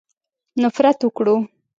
نفرت وکړو.